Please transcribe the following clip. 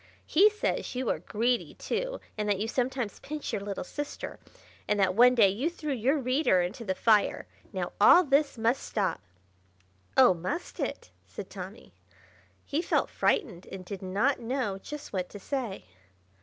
He says you are greedy, too, and that you sometimes pinch your little sister, and that one day you threw your reader into the fire. Now, all this must stop." "Oh, must it?" said Tommy. He felt frightened, and did not know just what to say.